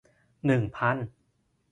หนึ่งพัน